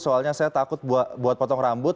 soalnya saya takut buat potong rambut